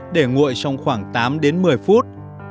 để nguội trong khoảng tám đến một mươi phút